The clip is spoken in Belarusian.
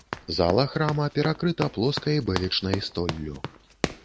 Зала храма перакрыта плоскай бэлечнай столлю.